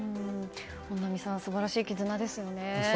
本並さん、素晴らしい絆ですね。